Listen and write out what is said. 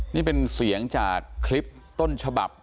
นี่เป็นเสียงจากคลิปต้นฉบับ